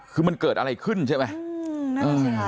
คือมันเกิดอะไรขึ้นใช่ไหม